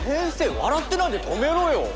笑ってないで止めろよ！